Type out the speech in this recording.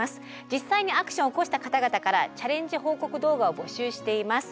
実際にアクションを起こした方々からチャレンジ報告動画を募集しています。